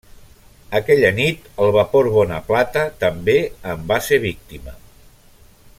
Aquella nit el vapor Bonaplata també en va ser víctima.